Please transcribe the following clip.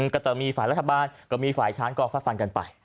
ก็จะมีฝ่ายรัฐบาลก็มีฝ่ายค้านก็ฟาดฟันกันไป